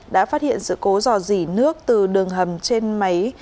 đã phát hiện sự cố dò dỉ nước từ đường hầm trên máy